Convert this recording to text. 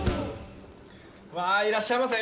わあ、いらっしゃいませ。